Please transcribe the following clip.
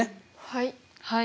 はい。